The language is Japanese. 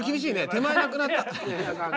手前なくなった。